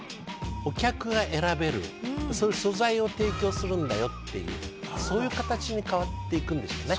お客が選べる、そういう素材を提供するんだよというそういう形に変わっていくんですね。